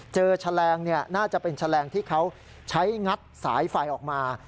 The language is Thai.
แฉลงน่าจะเป็นแฉลงที่เขาใช้งัดสายไฟออกมา